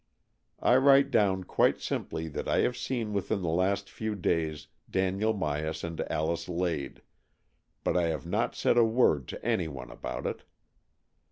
I write down quite simply that I have seen within the last few days Daniel Myas and Alice Lade, but I have not said a word to any one about it.